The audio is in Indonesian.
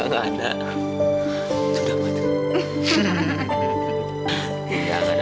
enggak gak ada